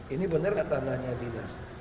ini benar nggak tanahnya dinas